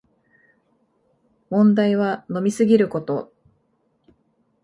問題は飲みすぎること